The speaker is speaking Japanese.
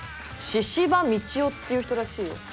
「神々道夫」っていう人らしいよ。